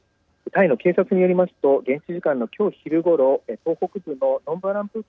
タイの警察によりますと現地時間の今日昼ごろ東北部のノンブアランプー